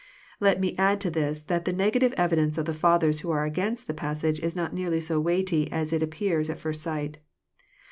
Let me add to this that the negative evidence of the Fathers who are against the passage is not nearly so weigh y s it ap pears at flrst sight.